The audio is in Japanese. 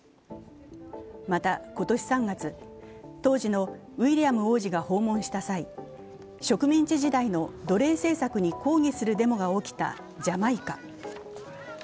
また今年３月、当時のウィリアム王子が訪問した際、植民地時代の奴隷政策に抗議するデモが起きたジャマイカ。